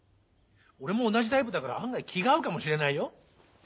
俺も同じタイプだから案外気が合うかもしれないよ。